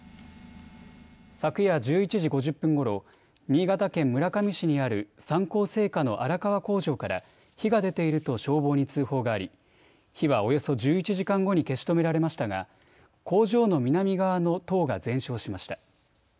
昨夜１１時５０分ごろ新潟県村上市にある三幸製菓の荒川工場から火が出ていると消防に通報があり火はおよそ１１時間後に消し止められましたが工場の南側の棟が全焼しました。